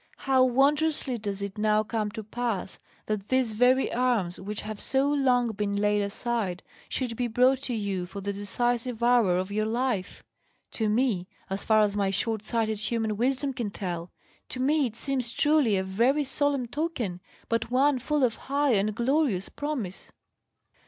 How wondrously does it now come to pass, that these very arms, which have so long been laid aside, should be brought to you for the decisive hour of your life! To me, as far as my short sighted human wisdom can tell, to me it seems truly a very solemn token, but one full of high and glorious promise."